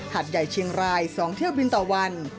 ดใหญ่เชียงราย๒เที่ยวบินต่อวัน